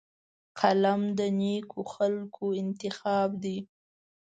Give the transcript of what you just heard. قلم د نیکو خلکو انتخاب دی